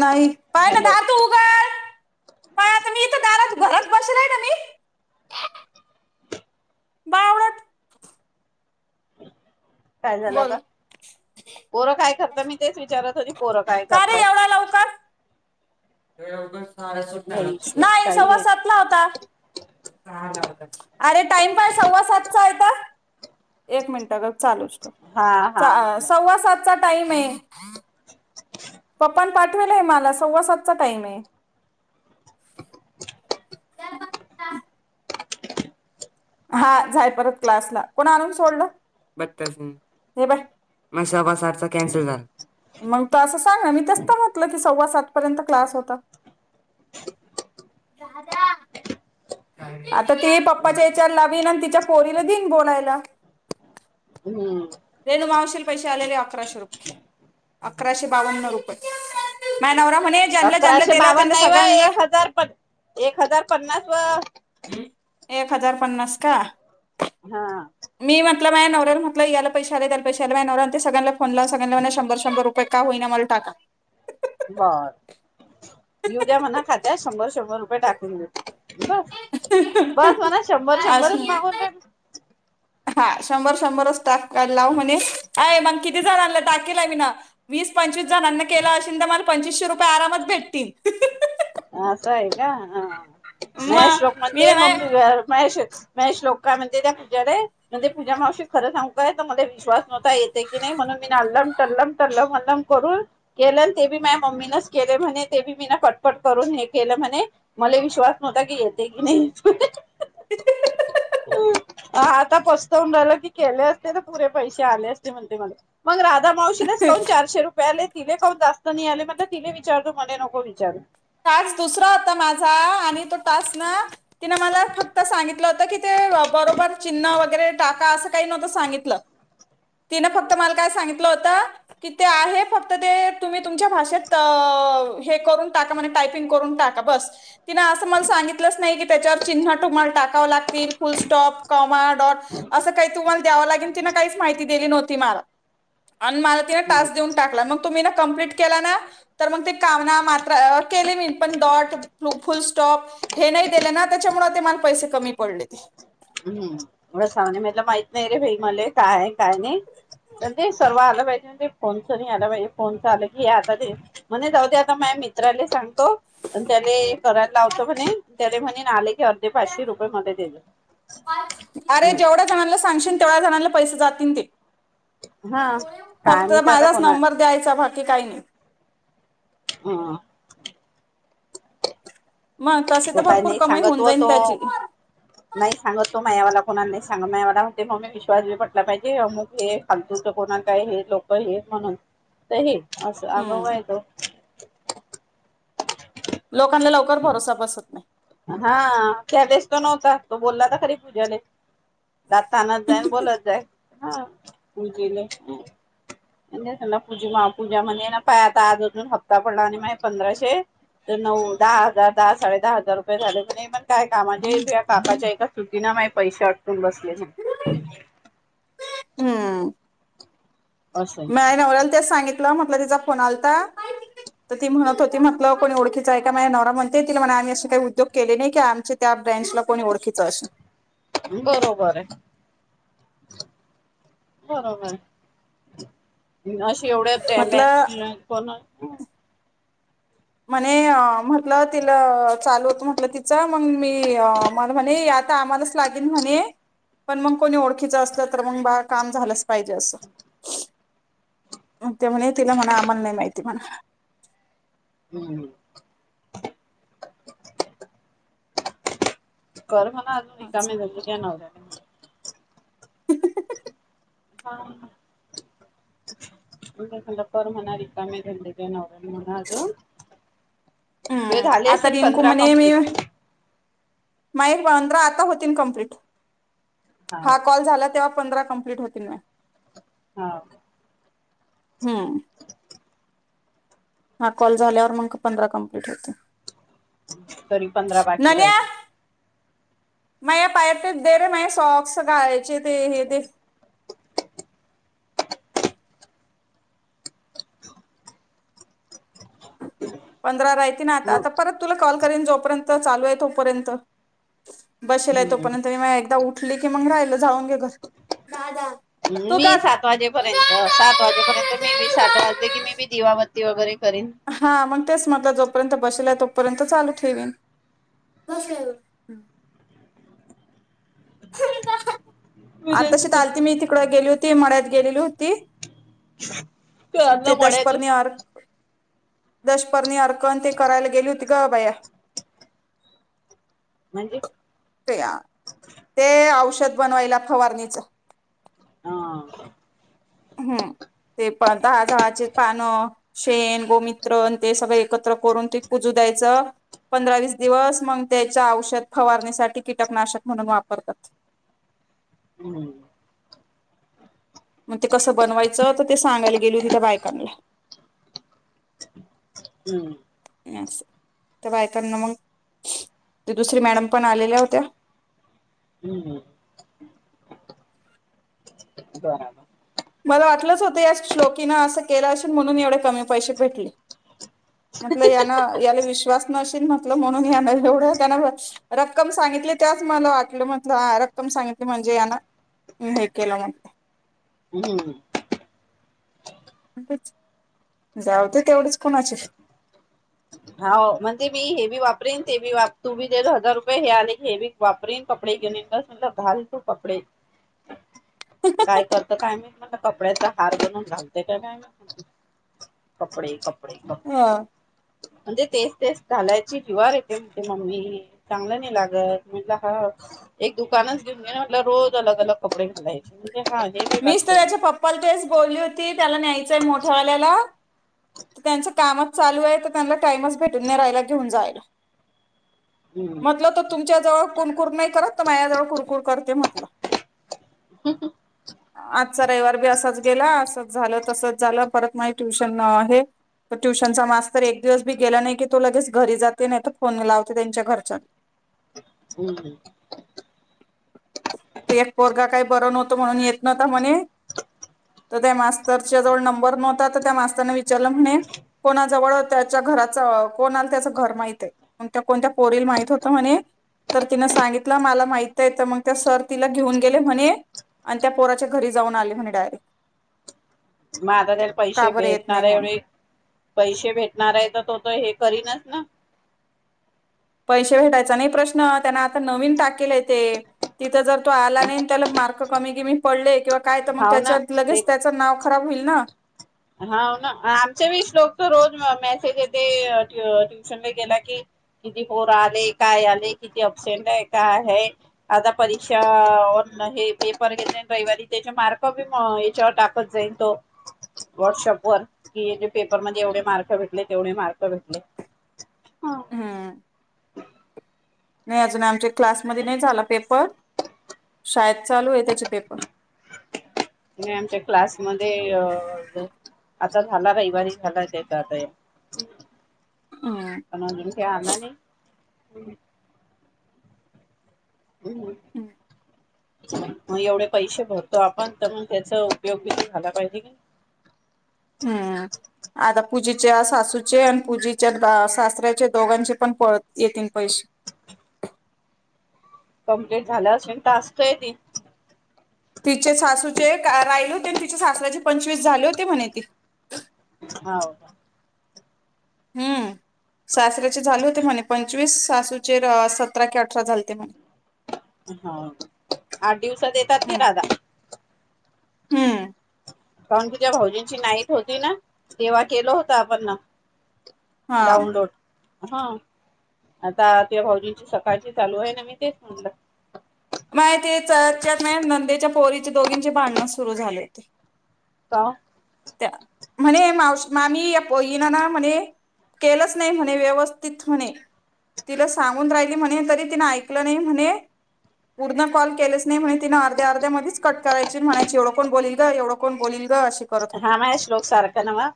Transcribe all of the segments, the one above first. नाही पण हॅलो दार ते उघड पण आता मी तर दारात घरच बसलय ना मी बावळट काय झालं बोल का पोरं काय करत मी तेच विचारत हो पोरं काय का करताय. का ऑगस् भईश्वर नाही सव्वा ताई सातला होता. अरे टाइम पाय सव्वा सातचा आहेता एक मिनट ग चालूच हा हा वांद सव्वा सात टाईम आहे. पाठ मला सव्वा सात टाम आहे. हा जाय परत क्लासला कोण आणून सोडलं ब हे बा म सव्वा साठ कॅनसल झाला. मग त अस सांग मी तेसत म्हटलं की सव्वा सात पर्यंत क्लास होता. आता ती पप्पाच्या विचार लावीन आणि तिच्या पोरीला देईन बोलायला. हम्म रेणू मवशील पैसे आलेले अकराशे रुपये अकराशे बावन्न रुपये माॅनवररा अकराशे बावन्न नाही व एक हजार एक हजार पन्नास व एक हजार पन्नास का. हा मा नवल म्हटला या पैश आले त्या पैशला न सगळ्यां ला सग शंर शंभर का होईना मला टाका. बर येऊ द्या म्हणा खात्यात शंभर शंभर टाकून घेत. बस बस म्हणा शंभर शंभरच असं मागून हा शंभर शंभरच टाफ लाव म्हणे काय मग किती जणलं टाकेला मी ना वीस पंचवीस केला पं रुपये आरामात भेटतील असं आहे का हा. मग मशोक मण मी ते मम्मी ना महेश म श्लोक म्हणजे त्या पूज्याला म्हणे पूज्या मावशी खरं सांग काय मला विश्वास नव्हता येते की नाही म्हणून मी ना अल्लम टल्लम टल्लम अल्लम करून केलं ते बी माझ मम्मीनच केले म्हणे ते बी मी ना पट पट करून हे केलं म्हणे मला विश्वास नव्हता की येते की नाही. ह. टास्क आता पस्तवन राईलोकी केले असते ना पुरे पैसे आले असते म्हणते मला मग माऊशी ला कान चारशे रुपयाले? तिले खऊप जास्त नाही आले म्हण तिला विचारतो मले नको विचारू. टास्क दुसरा होता माझा आणि तो टास्क ना तिने मला फक्त सांगितलं होतं की ते बरोबर. चिन्न वगैरे टाका असं तिने काई नवत सांगीतल. तिन फक्त मला काय सांगितलं होत, की ते आहे फक्त ते तुम्ही तुमच्या भाषेत हे करून तिन मला म्हे टाइपिंग करूण टाका बस. तिन असं मला सांगितल नाही की, त्याच्यावर चिन्ह तुम्हाला टाकाव लागतील फुल स्टॉप कॉमा डॉट अस काय तुम्हाला द्याव लागेल तिने काईच माहिती दिली नव्हती मला. आणि मला तिने टास्क देऊन टाकला. मग तुम्ही ना कंप्लिट केल ना तर म ते काना मात्र केले मी पण डॉट फुल स्टॉप हे नाही दिले ना त्याच्यामुळे ते मला पैसे कमी पडले ते. हम्म एवढं सांग म्हला माहित नाही रे भाई मले काय काय नाही ते सर्व आलं पाहिजे ते फोनच नाही आला पाहिजे फोनच आलं की हे आता ते म्हणे जाऊ दे आता माझ मित्राला सांगतो त्याला करायला लावत म्हणे त्या म्हणे आले. अर्धे पाचशे रुपये मध्ये देल. अरेवढ्या जणांला सांगशील तेवढ्या जणला पैसे जातील ते. हा काय फक्त माहित आता माझाच कोणा नंबर द्यायचा भा काही नाही. हम. मग तसे तर तो काय भरपूर नाही कमाई सांगत होऊन हो जाईल तो त्याची नाही सांगत तो म या मला. कोणाला नाही सांग मला हो म मी विश्वास बी पटला पाहिजे अमुक हे खालत तर कोणा काय हे लोक हे म्हणून तर हे. असं आगाव हम्म आहे तो. लोकांना लवकर भरोसा बसत नाही. हा त्याटेस तरो नव्हता तो बोलला ना खरी पूजाने. दात तनात जाय बोलत जाय. हा पूजे पूज पूजा म्हण ना पाय आता आज अजून हप्ता पडला आणि पंधराशे तर नऊ दहा हजार दहा साडे दहा हजार झा नाही पण काय कामा कापाच्या एका चुकीना मा पैसे अटकून बसले. हम्म. असं मी नवराला त्याच सांगित. म्हट तिचा फोन आता तर ती म्हणत होती म्हटलं कोणी ओखीच आहे का नव म्हण त म्ह आम्ही असे काही उद्योग के नाही की आम त्या ब्रांच--ला ह बरोबर आहे. बरोबर. अशी एवढ्या म्हटलं बश पण म्हणे म्हटलं तिला चालू होत म्हटलं तिचं मग मी मला म्हणे आता आम्हालाच लागेन म्हणे पण मग कोणी ओळखीच असलं तर मग बा काम झालंच पाहिजे असं ते म्हणे तिला म्हणा आम्हाला नाही माहिती म्हणा. हम्म. कर हं [unintelligible] हं हंह् ह्हं हाख कर म्हणाले कि रिकामे धंंदे तुझ्या नवर्‍याला हो ना ग तु हम्म झाले आता असेल पंधरा कंप्लीट माईक पंद्रा आता होतील कंप्लीट हाव हा कॉल झाला तेव्हा पंधरा कंप्लीट होतील ना हा हम्म हा कॉल झाल्यावर मग पंधरा कंप्लीट होते तरी पंधरा बाकी राहिले. म या पायत दे रे म [unintelligible] सॉक्स [unintelligible] चे ते हे ते. पंधरा राहिती ना मग आता पर तुला कॉल जोपर्यंत चालू आहे तोपर्यंत. बसेलाय हम्म तोपर्यंत [unintelligible] एकदा उठली की मग राहिल. जाऊन घे घर दादा तू मी गात सात वाजेपर्यंत सात वाजेपर्यंत मी बी सात वाजले की मी बी दिवा बत्त ती वगैरे करीन हा मग तेच म्हटलं जोपर्यंत बसेला तो पर्यंत चालू ठेवीन. आताशी आलती मी तिकडं गेली होती म गेलेली होती. [unintelligible] मोडायचं. दशपरणी अर्कण ते करायला गेली होती ग बया. म्हणजे? त्या. ते औषध बनवायला फवारणीचं हा हम्म, ते. पण दहा जाळाचे पानं शेण, गोमित्र ते सगळ एकत्र करून ते कुजू द्यायचं. पंधरा वीस दिवस मग त्याच्या औषध फवारणीसाठी कीटकनाशक म्हणून वाप फरतात. हम्म. मग ते कसं बनवायचं तर ते सांगायला गेल होती त्या बायकांला. हम्म. [unintelligible] ते बायकांना मग, ते दुसरी मॅडम पण आलेल्या होत्या. हम्म [unintelligible] मला वाटलंच होतं या श्लोकीन असं केलं असून म्हणून एवढे कमी पैसे भेटले. [unintelligible] या ना याला विश वासनाशिन म्हटल म्हणून या जवढं त्यांना रक्कम सांगितली त्याच मला वाटलं म्हटलं रक्कम सांगितली म्हणजे याना हे केलं म्ह हम्म अ तेच. जाऊ दे तेवढेच कोणाचे. हा म्हणजे मी हे वी वापरीन ते बीप तू बी [unintelligible] हजार रुपये हे आले हेवी वापरीन कपडे [unintelligible] घाल तू कपडे. काय करतं काय माहित म कपड्याचा हार बनून घालते का काय कपडे ह म्हणजे तेस तेस. घालायची हिवार येते म्हणले मम्मी चांगलं नाही लागत, म्हटलं हा एक दुकानच घेऊन घे ना म्हटलं रोज अलग अलग कपडे घालायचे. [inaudible] बी मीच तर वाचतय त्याच्या पप्पाला तेच बोलली होती. त्याला न्यायचंय मोठ्यावाल्याला त्यांच कामच चालू आहे त्यांना टाइमच भेटून रायला घेऊन जायल. हम्म म्हटलं तर तुमच्या जवळ कुरकुर नाही करत, तर माया्जवळ कुरकूर करते म्हटलं. [unintelligible] आजचा रविवार बी असाच गेला. असंच झालं तसच झालं परत माझ ट्यूशन आहे. तर ट्युशनचा मास्तर एक दिवस बी गेला नाही, की तो लगेच घरी जाते नाही तर फोन लावते त्यांच्या घरच्या हम्म हम्म. तो एक पोरगा काय, बर नव्हतं म्हणून येत नव्हता म्हणे, तर त्या मास्तरच्या जवळ नंबर नव्हता, तर त्या मास्तरनं विचारलं म्हणे कोणा जवळ त्याच्या घराच कोणाला त्याच घर माहित आहे, मग त्या कोणत्या पोरीला माहित होत म्हणे, तर तिन सांगितलं मला माहित आहे. तर मग सर तिला घेऊन गेले म्हणे आणि त्या पोराच्या घरी जाऊन आले म्हणे डायरेक्ट मग आता त्या का पैसे बरं येत भेटणार नाही आहे, म्हणून एवढे पैसे भेटणार आहे तर तो तर हे करीनचं. ना पैसे भेटायचा नाही प्रश्न त्यांना आता नवीन टाकिले ते तिथं जर तो आला नाही, त्याला मार्क कमी बिमी पडले किंवा काय तर मग हाव ना त्याच्यात, लगेच त्याचं नाव खराब होईल. ना हा ना आमचे वीस लोक तर रोज मेसेज येते ट्युशनला गेला कि, किती पोर आले काय आले किती अबसेंट आहे काय आहे? आता परीक्षा न हे पेपर घेतले रविवारी त्याच्या मार्क बी याच्यावर टाकत जाईन तो. व्हॉट्सअप वर कि पेपर मध्ये एवढे मार्क भेटले तेवढे मार्क भेटले. हम्म नाही अजून आमच्या क्लासमध्ये नाही झाला, पेपर शाळेत चालू आहे त्याचे पेपर. नाही आमच्या क्लास मध्ये अ आता झाला रहिवारी झालाय, ते काय ते? हम्म नविन काय आणायं नाही? हम्म! हम. मग एवढे पैसे भरतो आपण तर, मग त्याचा उपयोग बी झाला पाहिजे की. ह अ आता पुूजेच्या सासूचे आणि पूजेच्या सासऱ्याचे दोघांचे पण प -येतील पैसे. कंप्लीट झाल्या, असले कि टास्क येतील? तिचे सासूचे राहिले होते, आणि तिच्या सासय्राचे पंचवीस झाले होते. म्हणे ती. हाव का? हम्म सासऱ्याचे झाले होते म्हणे, पंचवीस सासूचे सतरा कि अठरा झाले ते म्हणे. हा हा आठ दिवसात येतात की हम्म दादा? हम्म! कारण तुझ्या भाऊजींची नाइट होती, ना तेव्हा केलं होत आपण ना. हा डाऊनलोड. हा आता ते भाऊजीची सकाळची चालू आहे ना, मी तेच म्हणलं. माहिती तेच्यात नाही नंदेच्या पोरीचे दोघींचे भांडणं सुरू झाले होते. का? त्या म्हणे मावशी मामी पो-इना ना म्हणे केलंच नाही म्हणे व्यवस्थित म्हणे, तिला सांगून राहिली म्हणे तरी तिन ऐकलं नाही म्हणे, पूर्ण कॉल केलच नाही म्हणे तिनं अर्ध्या अर्ध्या मधीचं कट करायची म्हणायची एवढं कोण बोलील गं एवढं कोण बोलील. अशी करत होती. हा माझ्या श्लोक सारखं नवं?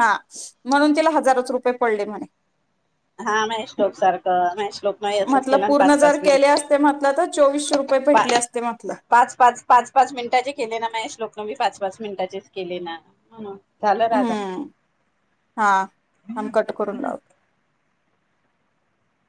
हा म्हणून, तिला हजारच रुपये पडले म्हणे. हा महेश टोक सारखं महेश श्लोकन असंच म्हटलं केलं ना, पूर्ण पाच जर पाच केले मिनिट असते म्हटलं तर चोवीसशे रुपये भेटले पा- असते म्हटलं पाच पाच पाच पाच मिनिटाचे केले ना, महेश, श्लोकन मी पाच पाच मि मिनटाचेच केले ना. झालं राधा हम्म हा थांब कट करून लावत.